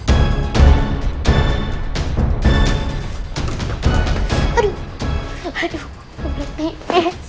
aduh aduh berhenti